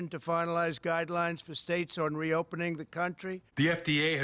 untuk mencapai guidelines untuk negara negara untuk membuka kembali negara